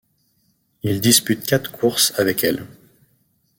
Il dispute quatre courses avec elle.